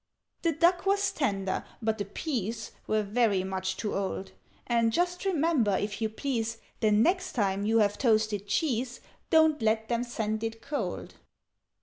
"The duck was tender, but the peas Were very much too old: And just remember, if you please, The next time you have toasted cheese, Don't let them send it cold.